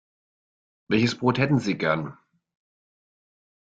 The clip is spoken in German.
Welches Brot hätten Sie gern?